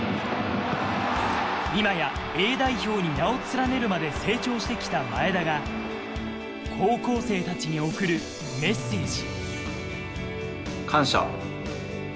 今やＡ代表に名を連ねるまで成長してきた前田が高校生たちに送るメッセージ。